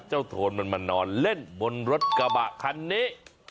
โทนมันมานอนเล่นบนรถกระบะคันนี้